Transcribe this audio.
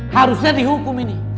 harusnya dihukum ini